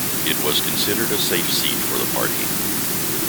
It was considered a safe seat for the party.